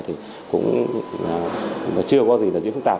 thì cũng chưa có gì là diễn phức tạp